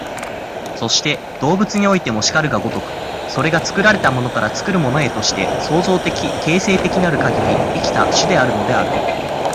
そして動物においても然るが如く、それが作られたものから作るものへとして、創造的形成的なるかぎり生きた種であるのである。